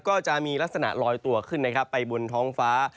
ก็จะมีลักษณะลอยตัวขึ้นนะครับไปบนท้องฟ้า